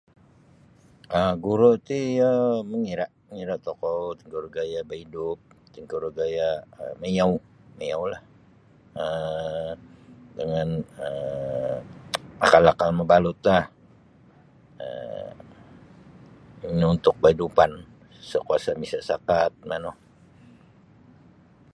um Guru ti iyo mangira mangira da tokou kuro gaya baidup kuro kuro gaya maiau maiau lah dengan um akal-akal mabalut lah um ino untuk kahidupan isa kuasa misisakat manu.